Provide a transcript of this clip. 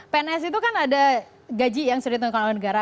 pns itu kan ada gaji yang sudah ditentukan oleh negara